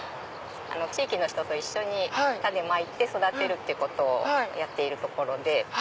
地域の人と一緒に種まいて育てることをやってるところで。